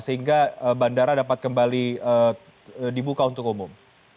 sehingga bandara dapat kembali dibuka untuk umum